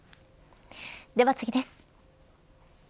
では次です。